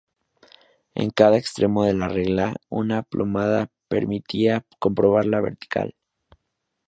En cada extremo de la regla, una plomada permitía comprobar la vertical.